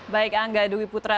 baik angga dewi putra